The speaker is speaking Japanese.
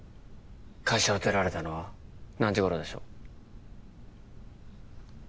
会社を出られたのは何時頃でしょう？